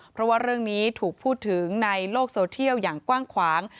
เพราะว่าเรื่องนี้ถูกพูดถึงในโลกโซเทียลอย่างกว้างขวาง